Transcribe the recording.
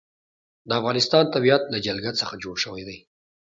د افغانستان طبیعت له جلګه څخه جوړ شوی دی.